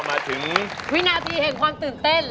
มาถึงวินาทีแห่งความตื่นเต้น